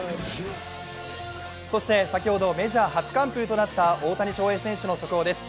そして先ほど、メジャー初完封となった大谷翔平選手の速報です。